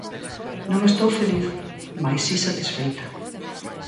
Non estou feliz mais si satisfeita.